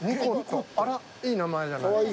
あらいい名前じゃない。